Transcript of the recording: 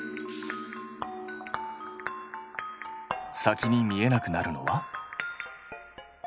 先に見えなくなるのは？